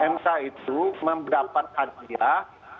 mk itu mendapat hadiah